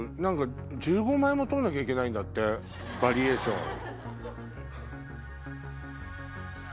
１５枚も撮んなきゃいけないってバリエーションを。